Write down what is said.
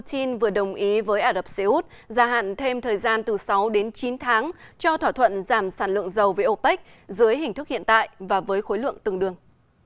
nga vừa đồng ý với ả rập xê út gia hạn thêm thời gian từ sáu đến chín tháng cho thỏa thuận giảm sản lượng dầu với opec dưới hình thức hiện tại và với khối lượng tương đương